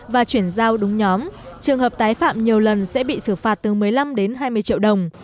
và chuyển giao đúng nhóm trường hợp tái phạm nhiều lần sẽ bị xử phạt từ một mươi năm đến hai mươi triệu đồng